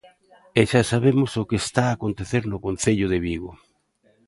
E xa sabemos o que está a acontecer no concello de Vigo.